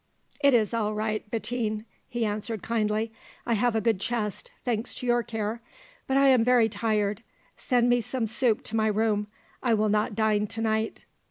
"It is all right, Bettine," he answered kindly; "I have a good chest, thanks to your care; but I am very tired. Send me some soup to my room; I will not dine to night."